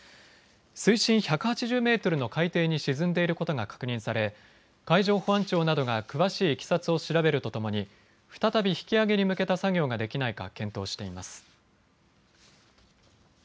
水深１８０メートルの海底に沈んでいることが確認され海上保安庁などが詳しいいきさつを調べるとともに再び引き揚げに向けた作業ができないか検討しています。